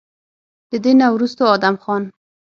د دې نه وروستو ادم خان